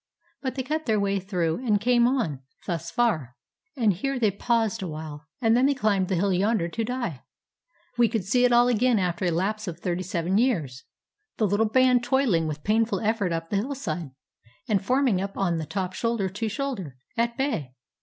But they cut their way through, and came on — thus far. And here they paused awhile, and then climbed the hill yonder to die. We could see it all again after a lapse of thirty seven years. The Httle band toihng with painful effort up the hillside, and forming up on the top shoulder to shoulder — at bay.